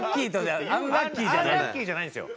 アンラッキーじゃないんですよ。